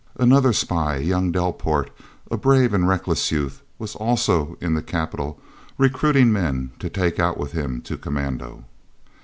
Another spy, young Delport, a brave and reckless youth, was also in the capital, "recruiting" men to take out with him to commando.